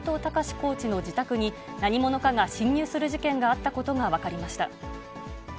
コーチの自宅に、何者かが侵入する事件があったことが分かりました。